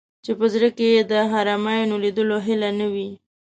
چې په زړه کې یې د حرمینو لیدلو هیله نه وي.